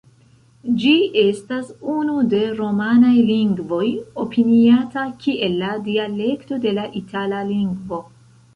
Ĝi estas unu de romanaj lingvoj opiniata kiel la dialekto de la itala lingvo.